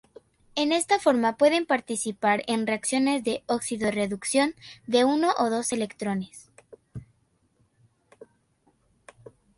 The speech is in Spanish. En esta forma pueden participar en reacciones de óxido-reducción de uno o dos electrones.